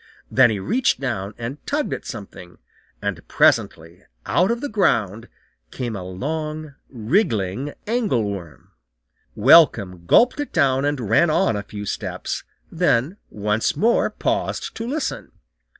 Then he reached down and tugged at something, and presently out of the ground came a long, wriggling angleworm. Welcome gulped it down and ran on a few steps, then once more paused to listen.